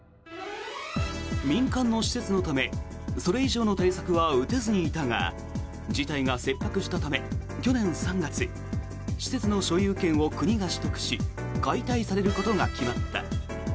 民間の施設のためそれ以上の対策は打てずにいたが事態が切迫したため、去年３月施設の所有権を国が取得し解体されることが決まった。